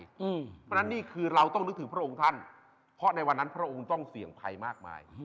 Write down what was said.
เพราะฉะนั้นนี่คือเราต้องนึกถึงพระองค์ท่านเพราะในวันนั้นพระองค์ต้องเสี่ยงภัยมากมาย